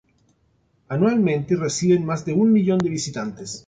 Anualmente reciben más de un millón de visitantes.